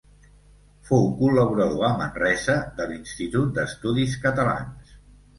Fou col·laborador, a Manresa, de l'Institut d'Estudis Catalans.